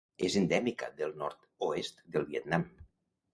És endèmica del nord-oest del Vietnam.